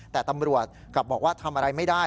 แต่ตำรวจกลับบอกว่าทำอะไรไม่ได้